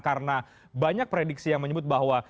karena banyak prediksi yang menyebut bahwa